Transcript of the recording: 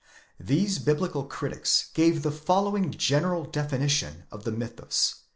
® These biblical critics gave the following general definition of the mythus.